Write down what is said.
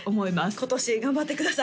今年頑張ってください